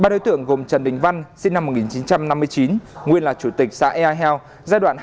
ba đối tượng gồm trần đình văn sinh năm một nghìn chín trăm năm mươi chín nguyên là chủ tịch xã ea hèo giai đoạn hai nghìn hai nghìn một mươi